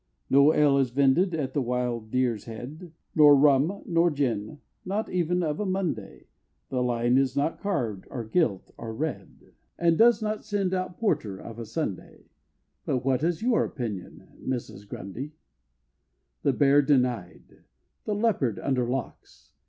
No ale is vended at the wild Deer's Head, Nor rum nor gin not even of a Monday The Lion is not carved or gilt or red, And does not send out porter of a Sunday But what is your opinion, Mrs. Grundy? The bear denied! the Leopard under locks!